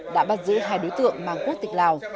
đã bắt giữ hai đối tượng mang quốc tịch lào